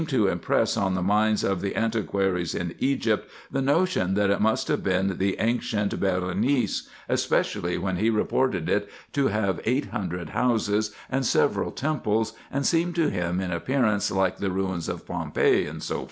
297 to impress on the minds of the antiquaries in Egypt the notion that it must have been the ancient Berenice, especially when he reported it to have eight hundred houses and several temples, and seemed to him in appearance like the ruins of Pompeia, &c.